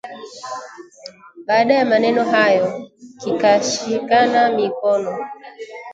Baada ya maneno hayo kikashikana mikono